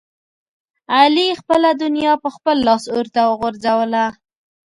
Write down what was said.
علي خپله دنیا په خپل لاس اورته وغورځوله.